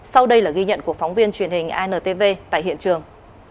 sau đây là ghi nhận của phóng viên truyền hình intv tại hiện trường